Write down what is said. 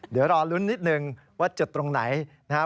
เดี๋ยวรอลุ้นนิดนึงว่าจุดตรงไหนนะครับ